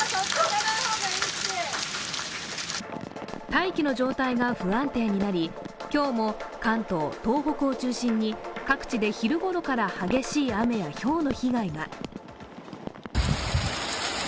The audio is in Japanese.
大気の状態が不安定になり今日も関東、東北を中心に各地で昼ごろから激しい雨やひょうの被害が。